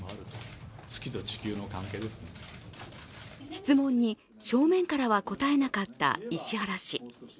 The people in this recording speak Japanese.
質問に正面からは答えなかった石原氏。